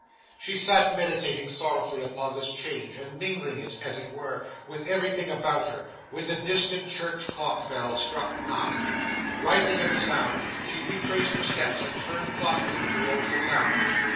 She sat meditating sorrowfully upon this change, and mingling it, as it were, with everything about her, when the distant church clock bell struck nine. Rising at the sound, she retraced her steps, and turned thoughtfully towards the town.